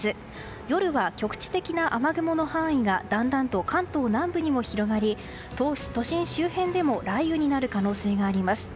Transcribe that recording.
夜は局地的な雨雲の範囲がだんだんと関東南部にも広がり都心周辺でも雷雨になる可能性があります。